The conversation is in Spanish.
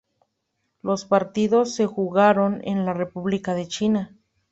Los partidos se jugaron en la República de China.